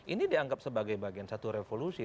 ini dianggap sebagai bagian satu revolusi